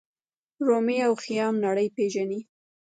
رومي او خیام نړۍ پیژني.